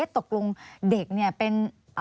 ตกลงเด็กเนี่ยเป็น